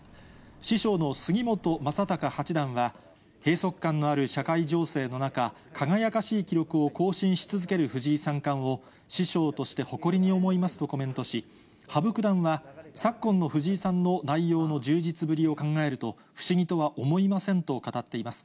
師匠の杉本昌隆八段は、閉塞感のある社会情勢の中、輝かしい記録を更新し続ける藤井三冠を、師匠として誇りに思いますとコメントし、羽生九段は、昨今の藤井さんの内容の充実ぶりを考えると、不思議とは思いませんと語っています。